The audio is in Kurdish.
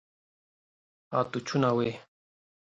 hatûçûna wê